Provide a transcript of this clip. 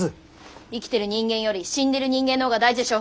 生きてる人間より死んでる人間のほうが大事でしょ。